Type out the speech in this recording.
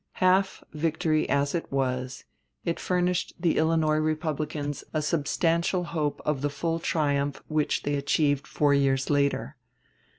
Half victory as it was, it furnished the Illinois Republicans a substantial hope of the full triumph which they achieved four years later.